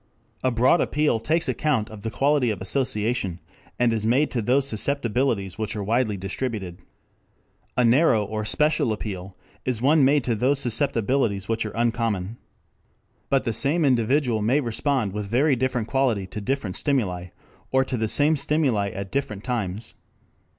A "broad appeal" takes account of the quality of association, and is made to those susceptibilities which are widely distributed. A "narrow" or a "special" appeal is one made to those susceptibilities which are uncommon. But the same individual may respond with very different quality to different stimuli, or to the same stimuli at different times.